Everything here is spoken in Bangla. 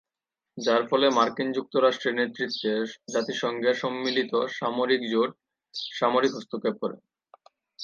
যার ফলে মার্কিন যুক্তরাষ্ট্রের নেতৃত্বে জাতিসংঘের সম্মিলিত সামরিক জোট সামরিক হস্তক্ষেপ করে।